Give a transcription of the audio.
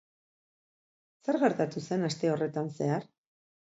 Zer gertatu zen aste horretan zehar?